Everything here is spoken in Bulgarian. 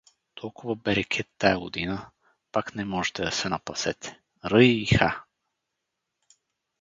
… Толкова берекет тая година, пак не можете да се напасете… Ръй, ха!